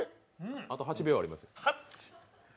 あと８秒あります。